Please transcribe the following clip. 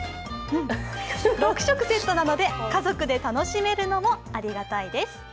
６食セットなので、家族で楽しめるのもありがたいです。